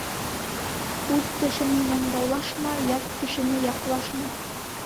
Үҙ кешең менән даулашма, ят кешене яҡлашма.